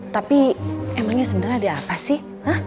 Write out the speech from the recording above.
tapi emangnya sebenarnya ada apa sih